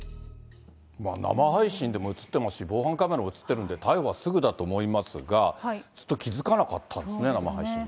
生配信でも映ってますし、防犯カメラも映ってるんで、逮捕はすぐだと思いますが、ずっと気付かなかったんですね、生配信にね。